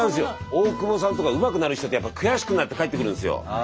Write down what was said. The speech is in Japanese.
大久保さんとかうまくなる人って悔しくなって帰ってくるんですよ。